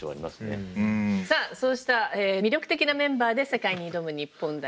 さあそうした魅力的なメンバーで世界に挑む日本代表。